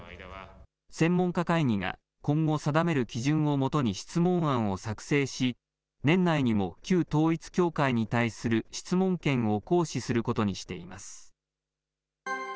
専門家会議が今後定める基準をもとに質問案を作成し、年内にも旧統一教会に対する質問権を行使することにしています。